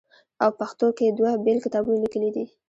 او پښتو کښې دوه بيل کتابونه ليکلي دي